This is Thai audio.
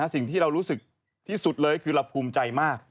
สิ่งที่เรารู้สึกที่สุดเลยคือเราภูมิใจมาก